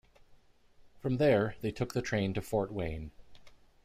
From there, they took the train to Fort Wayne.